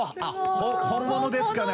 本物ですかね？